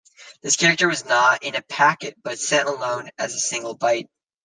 This character was not in a packet, but sent alone as a single byte.